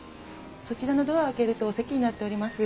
そちらのドアを開けるとお席になっております。